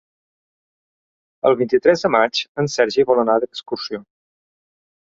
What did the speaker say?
El vint-i-tres de maig en Sergi vol anar d'excursió.